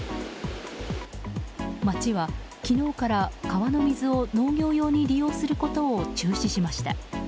町は昨日から川の水を農業用に利用することを中止しました。